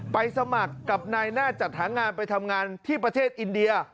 สมัครกับนายหน้าจัดหางานไปทำงานที่ประเทศอินเดีย